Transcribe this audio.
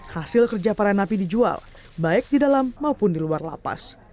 hasil kerja para napi dijual baik di dalam maupun di luar lapas